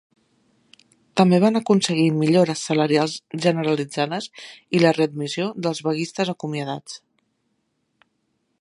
També van aconseguir millores salarials generalitzades i la readmissió dels vaguistes acomiadats.